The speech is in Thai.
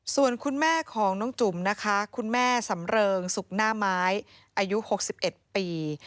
ส่วนคุณแม่ของน้องจุ๋มนะคะคุณแม่สำเริงสุกหน้าไม้อายุ๖๑ปี